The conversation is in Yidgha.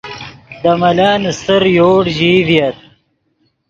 دے ملن استر یوڑ ژیئی ڤییت